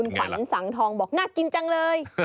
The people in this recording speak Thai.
ขวัญสังทองบอกน่ากินจังเลย